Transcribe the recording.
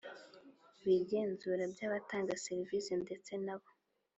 W igenzura by abatanga serivisi ndetse n abo